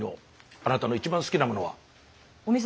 あなたの一番好きなものは？